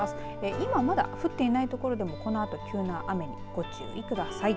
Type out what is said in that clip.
今まだ降ってないところでもこのあと急な雨にご注意ください。